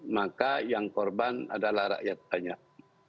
maka yang korban adalah rakyat banyak